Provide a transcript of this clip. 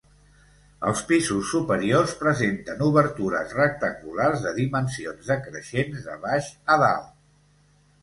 Els pisos superiors presenten obertures rectangulars de dimensions decreixents de baix a dalt.